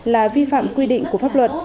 là vi phạm quy định của pháp luật